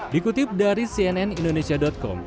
dikutip dari cnn indonesia com